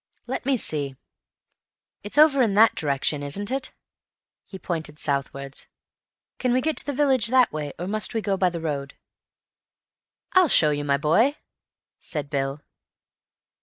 "Let me see; it's over in that direction, isn't it?" He pointed southwards. "Can we get to the village that way, or must we go by the road?" "I'll show you, my boy," said Bill.